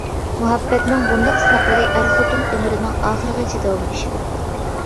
مۇھەببەتنىڭ بۇنداق سىناقلىرى ئەر-خوتۇن ئۆمرىنىڭ ئاخىرىغىچە داۋاملىشىدۇ.